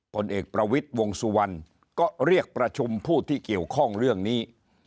ผลเอกประวิทย์วงสุวรรณก็เรียกประชุมผู้ที่เกี่ยวข้องเรื่องนี้